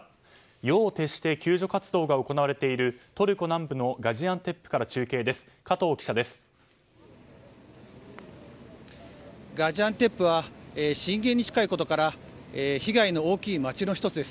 夜を徹して救助活動が行われているトルコ南部のガジアンテップから中継です。